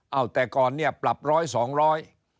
เอาแต่ก่อนเนี่ยปรับร้อยสองร้อย